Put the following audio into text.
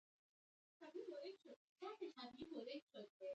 دا مرسته د تدفین او تکفین لپاره ده.